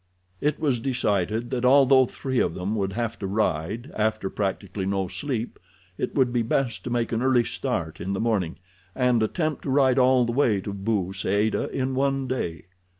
It was decided that although three of them would have to ride after practically no sleep, it would be best to make an early start in the morning, and attempt to ride all the way to Bou Saada in one day.